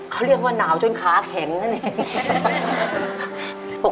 เขาเรียกว่าหนาวจนขาแข็งนั่นเอง